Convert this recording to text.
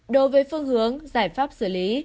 đối với phương hướng giải pháp xử lý